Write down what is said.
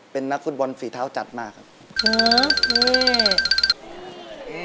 เป็นนักฟุตบอลฝีเท้าจัดมากครับ